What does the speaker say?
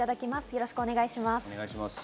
よろしくお願いします。